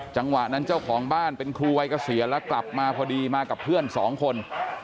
จังหวะนั้นเจ้าของบ้านเป็นครูวัยเกษียณแล้วกลับมาพอดีมากับเพื่อนสองคน